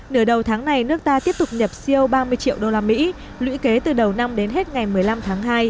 nửa đầu tháng này nước ta tiếp tục nhập siêu ba mươi triệu usd lũy kế từ đầu năm đến hết ngày một mươi năm tháng hai